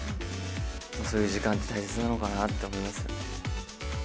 そういう時間って大切なのかなって思いますよね。